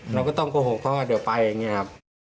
เราก็ต้องโกหกเขาว่าเดี๋ยวไปอย่างนี้ครับ